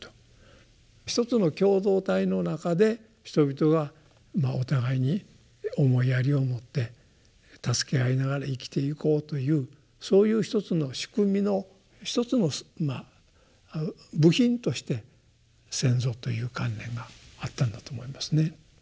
一つの共同体の中で人々がお互いに思いやりを持って助け合いながら生きていこうというそういう一つの仕組みの一つの部品として「先祖」という観念があったんだと思いますね。